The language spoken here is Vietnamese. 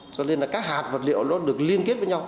cho nên là các hạt vật liệu nó được liên kết với nhau